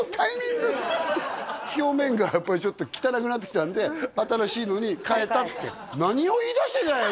表面がやっぱりちょっと汚くなってきたんで新しいのに替えたって何を言いだしてんだよ